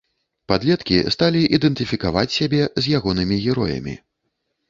Падлеткі сталі ідэнтыфікаваць сябе з ягонымі героямі.